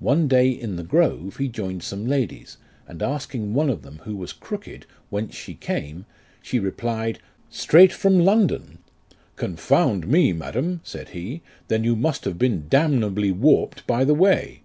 One day in the Grove he joined some ladies, and asking one of them who was crooked, whence she came ? she replied, " Straight from London." "Confound me, madam," said he, "then you must .have been damnably warped by the way."